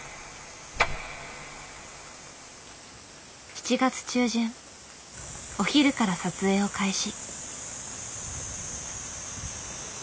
７月中旬お昼から撮影を開始。